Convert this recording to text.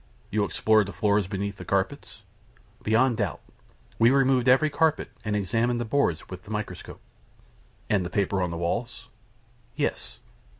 "You explored the floors beneath the carpets?" "Beyond doubt. We removed every carpet, and examined the boards with the microscope." "And the paper on the walls?" "Yes."